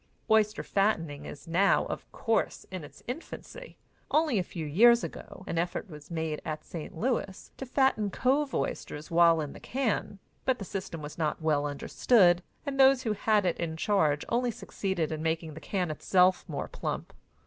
Oyster fattening is now, of course, in its infancy. Only a few years ago an effort was made at St. Louis to fatten cove oysters while in the can, but the system was not well understood, and those who had it in charge only succeeded in making the can itself more plump.